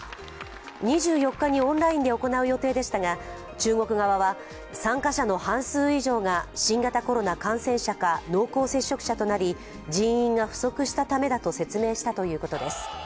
２４日にオンラインで行う予定でしたが中国側は、参加者の半数以上が新型コロナ感染者か濃厚接触者となり人員が不足したためだと説明したということです。